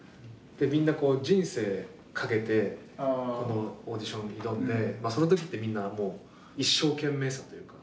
みんな人生懸けてこのオーディションに挑んでまあその時ってみんな一生懸命さというか。